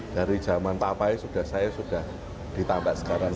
dari zaman papai sudah saya sudah ditambah sekarang